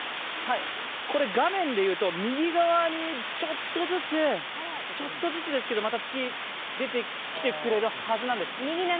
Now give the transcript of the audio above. これ、画面でいうと右側にちょっとずつですけどまた月、出てきてくれるはずなんです。